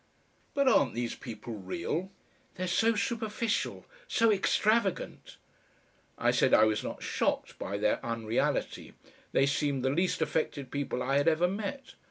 "But aren't these people real?" "They're so superficial, so extravagant!" I said I was not shocked by their unreality. They seemed the least affected people I had ever met.